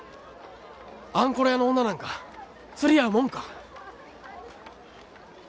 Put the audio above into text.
あんころ屋の女なんか釣り合うもんか！